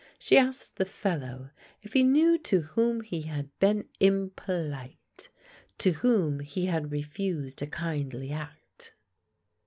She asked the fellow if he knew to whom he had been impolite, to whom he had refused a kindly act.